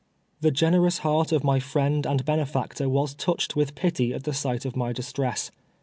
The generous heart of my friend and benefactor was touched with pity at the sight of my distress.